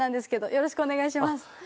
よろしくお願いします。